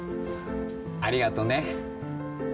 ありがとね。